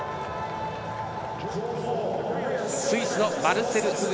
スイスのマルセル・フグ。